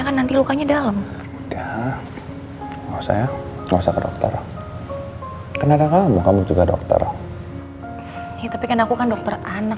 nanti lukanya dalam saya juga dokter hai kenapa kamu juga dokter tapi kan aku kan dokter anak